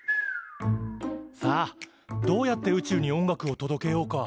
さあどうやって宇宙に音楽を届けようか？